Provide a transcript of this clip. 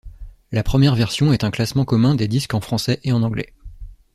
La première version est un classement commun des disques en français et en anglais.